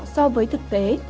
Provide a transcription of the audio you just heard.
so với thực tế